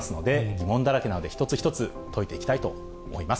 疑問だらけなので、一つ一つ解いていきたいと思います。